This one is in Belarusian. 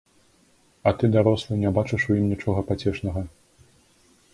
А ты, дарослы, не бачыш у ім нічога пацешнага.